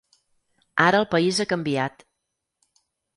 Ara el país ha canviat.